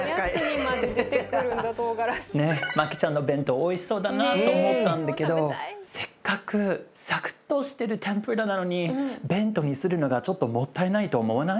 マキちゃんの弁当おいしそうだなと思ったんだけどせっかくサクッとしてる天ぷらなのに弁当にするのがちょっともったいないと思わない？